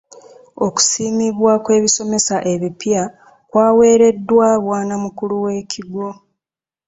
Okusiimibwa kw'ebisomesa ebipya kwawereddwa bwanamukulu ow'ekigo.